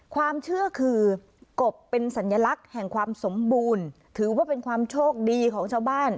ความเชื่อคือกบเป็นสัญลักษณ์แห่งความสมบูรณ์ถือว่าเป็นความโชคดีของชาวบ้าน